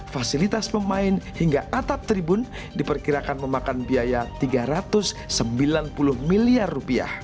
fasilitas pemain hingga atap tribun diperkirakan memakan biaya rp tiga ratus sembilan puluh miliar